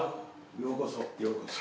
ようこそようこそ。